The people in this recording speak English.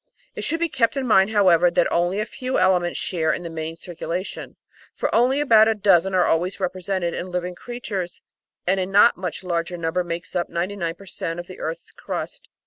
It should be kept in mind, however, that only a few elements share in the main circulation, for only about a dozen are always represented in living creatures and a not much larger number makes up 99 per cent, of the earth's crust.